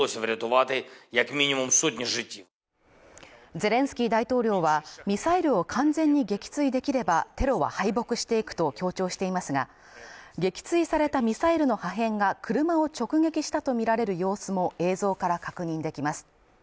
ゼレンスキー大統領はミサイルを完全に撃墜できればテロは敗北していくと強調していますが撃墜されたミサイルの破片が車を直撃したとみられる様子も映像から確認できます。